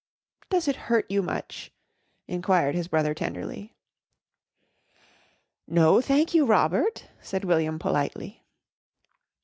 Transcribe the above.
"Does it hurt you much?" inquired his brother tenderly. "No thank you, Robert," said William politely.